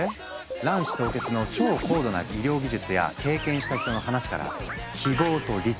卵子凍結の超高度な医療技術や経験した人の話から希望とリスク